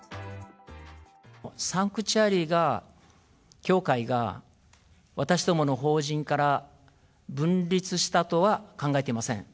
サンクチュアリが、教会が、私どもの法人から分立したとは考えていません。